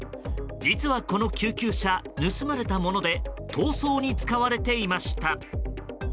実は、この救急車盗まれたもので逃走に使われていました。